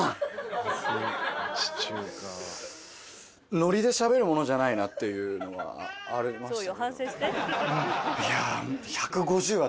ノリでしゃべるものじゃないなというのはありましたけど。